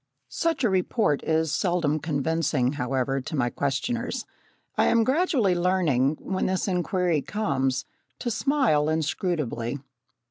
Such a report is seldom convincing, however, to my questioners. I am gradually learning, when this inquiry comes, to smile inscrutably.